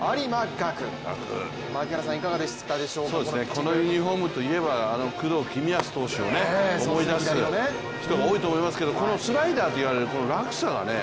このユニフォームといえば工藤公康投手を思い出す人が覆いと思いますけどこのスライダーといわれる落差がね